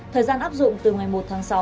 thời gian áp dụng từ ngày một tháng sáu